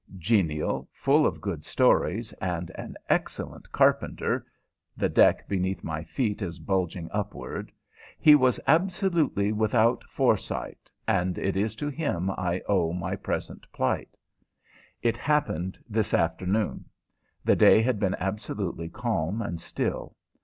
Genial, full of good stories, and an excellent carpenter (the deck beneath my feet is bulging upward), he was absolutely without foresight, and it is to him I owe my present plight. It happened this afternoon. The day had been absolutely calm and still.